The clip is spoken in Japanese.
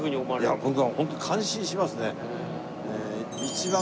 いや僕はホント感心しますね。